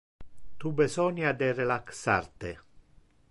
Tu besonia de relaxar te.